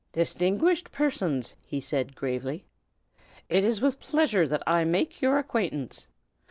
"Distinguished persons!" he said, gravely, "it is with pleasure that I make your acquaintance.